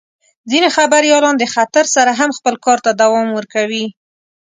ځینې خبریالان د خطر سره هم خپل کار ته دوام ورکوي.